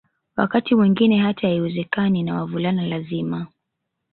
Wakati mwingine hata haiwezekani na wavulana lazima